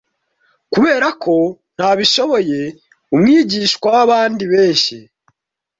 kubera ko ntabishoboye umwigishwa wabandi benshi